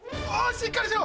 しっかりしろ！